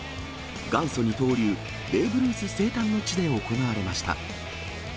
元祖二刀流、ベーブ・ルース生誕の地で行われました。